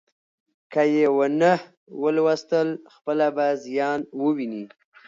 که یې ونه ولوستل، خپله به زیان وویني.